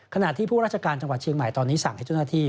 ที่ผู้ราชการจังหวัดเชียงใหม่ตอนนี้สั่งให้เจ้าหน้าที่